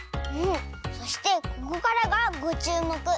そしてここからがごちゅうもく。